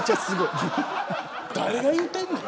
誰が言うてんねん。